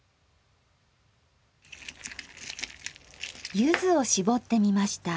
ゆずをしぼってみました。